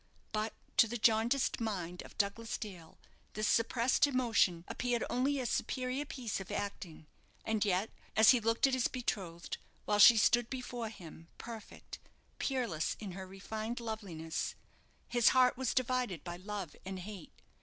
But to the jaundiced mind of Douglas Dale this suppressed emotion appeared only a superior piece of acting; and yet, as he looked at his betrothed, while she stood before him, perfect, peerless, in her refined loveliness, his heart was divided by love and hate.